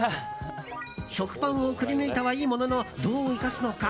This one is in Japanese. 食パンをくりぬいたはいいものの、どう生かすのか？